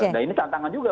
nah ini tantangan juga